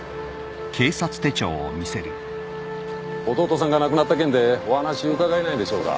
はい弟さんが亡くなった件でお話伺えないでしょうか？